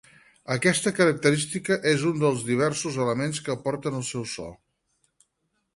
Aquesta característica és un dels diversos elements que aporten al seu so.